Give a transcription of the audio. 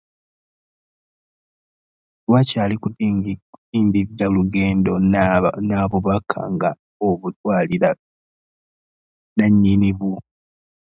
Tewakyali kutindigga lugendo na bubaka nga obutwalira nannyini bwo.